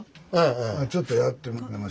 ちょっとやって。